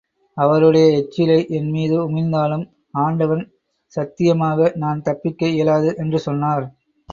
அவருடைய எச்சிலை என்மீது உமிழ்ந்தாலும், ஆண்டவன் சத்தியமாக நான் தப்பிக்க இயலாது என்று சொன்னார்.